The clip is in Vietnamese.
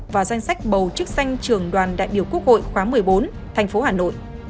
và danh sách bầu chức xanh trưởng đoàn đại biểu quốc hội khóa một mươi bốn thành phố hà nội